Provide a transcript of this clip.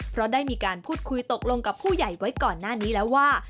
เพราะได้มีการพูดคุยตกลงกับผู้ใหญ่ไว้ก่อนหน้านี้แล้วว่า